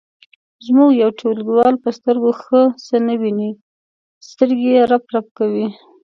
زموږ یو ټولګیوال په سترګو ښه څه نه ویني سترګې یې رپ رپ کوي.